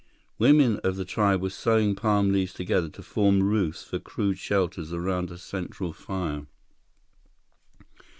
Women of the tribe were sewing palm leaves together to form roofs for crude shelters around a central fire.